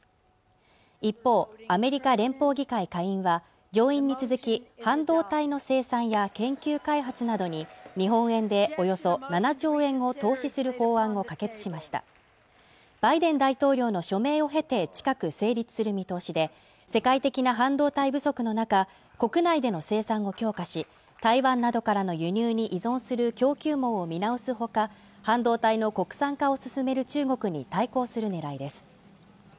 一方アメリカ連邦議会下院は上院に続き半導体の生産や研究開発などに日本円でおよそ７兆円を投資する法案を可決しましたバイデン大統領の署名を経て近く成立する見通しで世界的な半導体不足の中、国内での生産を強化し台湾などからの輸入に依存する供給網を見直すほか半導体の国産化を進める中国に対抗するねらいです